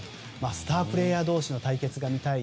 スタープレーヤー同士の対決が見たい。